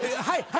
はい！